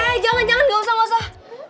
eh jangan jangan nggak usah gak usah